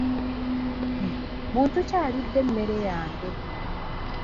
Muntu ki alidde emmere yange?